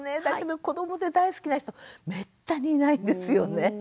だけど子どもで大好きな人めったにいないんですよね。